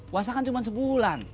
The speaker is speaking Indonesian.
puasa kan cuma sebulan